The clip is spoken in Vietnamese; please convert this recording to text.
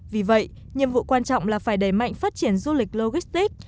vì vậy nhiệm vụ quan trọng là phải đẩy mạnh phát triển du lịch logistic